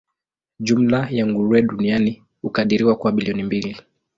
Jumla ya nguruwe duniani hukadiriwa kuwa bilioni mbili.